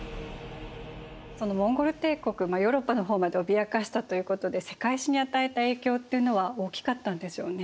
そのモンゴル帝国ヨーロッパの方まで脅かしたということで世界史に与えた影響っていうのは大きかったんでしょうね。